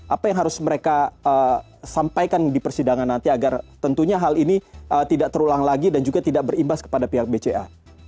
apa yang harus mereka sampaikan di persidangan nanti agar tentunya hal ini tidak terulang lagi dan juga tidak berimbas kepada pihak bca